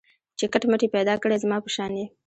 چي کټ مټ یې پیدا کړی زما په شان یې